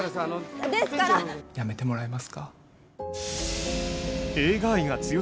辞めてもらえますか。